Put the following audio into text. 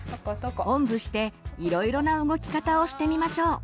おんぶしていろいろな動き方をしてみましょう。